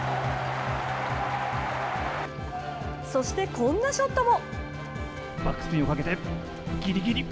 そして、こんなショットも。